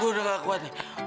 gue udah gak kuat nih